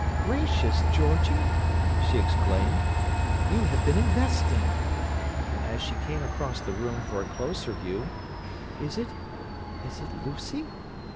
"Gracious, Georgie!" she exclaimed. "You have been investing!" and as she came across the room for a closer view, "Is it—is it Lucy?"